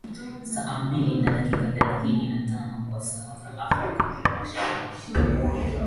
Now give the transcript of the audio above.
saa mbili na dakika thelathini na tano kwa saa za afrika